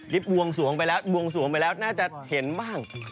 นี่วงสู่ากลมไปแล้วน่าจะเห็นบ้าง